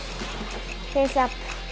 ペースアップ。